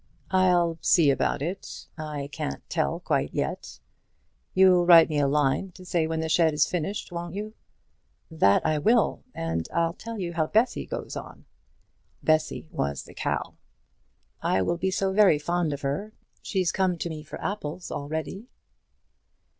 "I'll see about it. I can't tell quite yet. You'll write me a line to say when the shed is finished, won't you?" "That I will, and I'll tell you how Bessy goes on." Bessy was the cow. "I will be so very fond of her. She'll come to me for apples already."